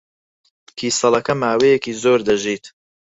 کیسەڵەکە ماوەیەکی زۆر دەژیت.